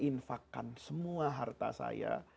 infakkan semua harta saya